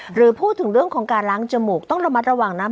หรือพูดถึงเรื่องของการล้างจมูกต้องระมัดระวังนะ